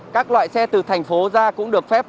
các loại xe từ thành phố ra cũng được phép